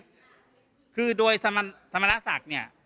รอยสักเนี่ยครับแต่ว่าผมอยากให้ศึกมากกว่าไม่อยากให้ไป